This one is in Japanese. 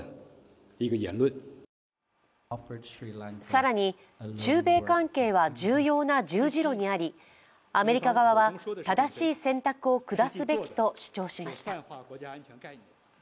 更に、中米関係は重要な十字路にありアメリカ側は正しい選択を下すべきと主張しました。